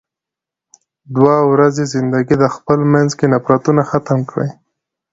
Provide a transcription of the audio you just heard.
دوه ورځې زندګی ده، خپل مينځ کې نفرتونه ختم کې.